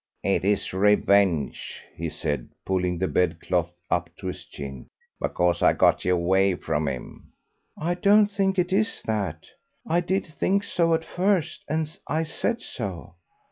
"It is revenge," he said, pulling the bed clothes up to his chin, "because I got you away from him." "I don't think it is that; I did think so at first, and I said so."